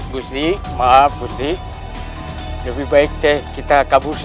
gusti maaf gusti lebih baik teh kita kabur saja